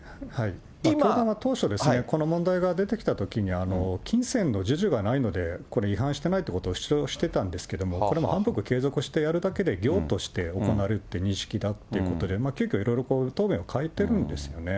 教団は当初ですね、この問題が出てきたときに、金銭の授受がないので、これ違反してないということを主張してたんですけども、これ、反復継続してやるだけでぎょうとして行われるという認識で、急きょ、いろいろ答弁を変えてるんですよね。